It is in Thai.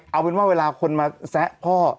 เอาเป็นว่าเวลาคนมาแซะพ่อ